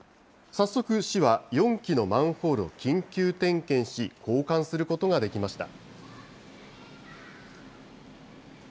早速、市は４基のマンホールを緊急点検し、交換することができました。